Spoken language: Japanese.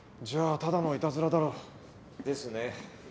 じゃあただのいたずらだろう。ですね。